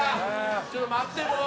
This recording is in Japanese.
ちょっと待ってもう。